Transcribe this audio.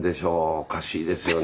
おかしいですよね。